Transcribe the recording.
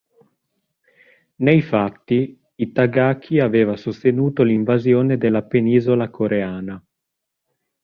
Nei fatti, Itagaki aveva sostenuto l’invasione della penisola coreana.